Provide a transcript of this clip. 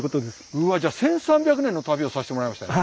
うわじゃあ１，３００年の旅をさせてもらいましたね。